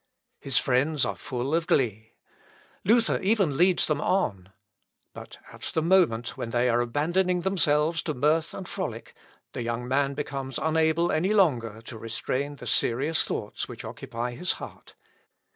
His friends are full of glee. Luther even leads them on. But at the moment when they are abandoning themselves to mirth and frolic, the young man becomes unable any longer to restrain the serious thoughts which occupy his heart.